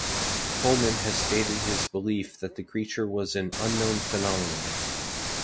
Coleman has stated his belief that the creature was an "unknown phenomenon".